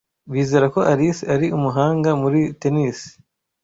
Bizera ko Alice ari umuhanga muri tennis.